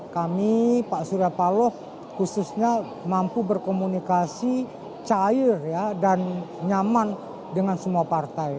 kami pak surya paloh khususnya mampu berkomunikasi cair dan nyaman dengan semua partai